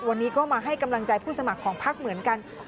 วันนี้ก็มาให้กำลังใจผู้สมัครของพักเหมือนกัน